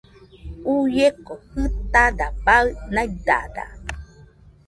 Uieko jɨtada baɨ naidada